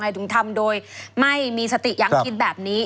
ถึงทำโดยไม่มีสติยังคิดแบบนี้